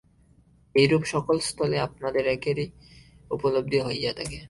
এইরূপ সকল স্থলে আপনাদের একেরই উপলব্ধি হইয়া থাকে।